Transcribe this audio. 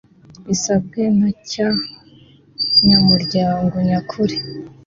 Bisabwe na cy abanyamuryango nyakuri